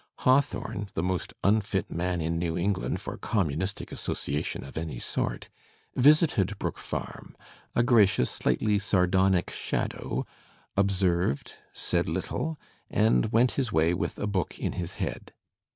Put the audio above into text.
Hawthorne, the most unfit man in New England for communistic asso ciation of any sort, visited Brook Farm, a gracious, slightly sardonic shadow, observed, said little, and went his way with a book in his head.